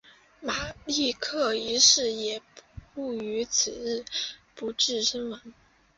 马立克一世也于次日不治身亡。